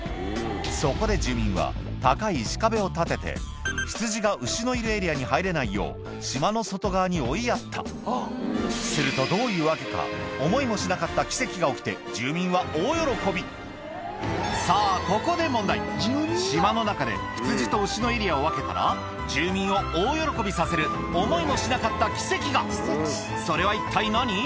そこで住民は高い石壁を立てて羊が牛のいるエリアに入れないよう島の外側に追いやったするとどういう訳かさぁここで問題島の中で羊と牛のエリアを分けたら住民を大喜びさせる思いもしなかった奇跡がそれは一体何？